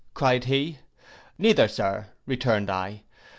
cried he. 'Neither, Sir,' returned I.